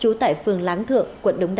chú tại phường láng thượng quận đống đa